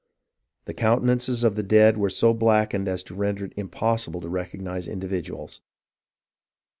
The countenances of the dead were so blackened as to render it impossible to recognize individuals.